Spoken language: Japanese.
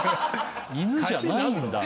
犬じゃないんだ。